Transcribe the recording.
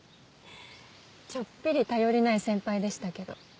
ちょっぴり頼りない先輩でしたけど。